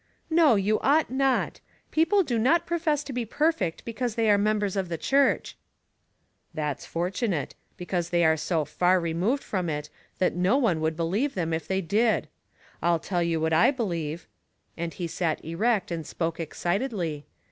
" No, you ought not. People do not profess to be perfect because they are members of the church." " That's fortunate ; because they are so far removed from it that no one would believe them if they did. I'll tell you what I believe," and he sat erect and spoke excitedly.